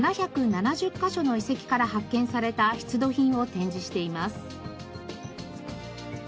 カ所の遺跡から発見された出土品を展示しています。